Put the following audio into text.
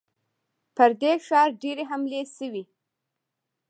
پر دې ښار ډېرې حملې شوي.